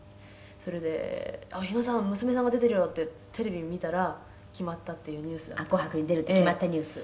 「それで“あっ日野さん娘さんが出てるよ”ってテレビ見たら決まったっていうニュース」「『紅白』に出るって決まったニュース？」